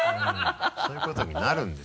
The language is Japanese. そういうことになるんです。